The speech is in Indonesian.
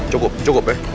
cukup cukup ya